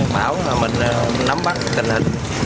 bảo là mình nắm bắt tình hình